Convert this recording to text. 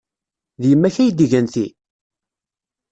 D yemma-k ay d-igan ti?